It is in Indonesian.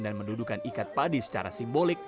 dan mendudukan ikat padi secara simbolik